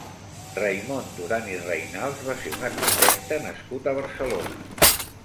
Raimon Duran i Reynals va ser un arquitecte nascut a Barcelona.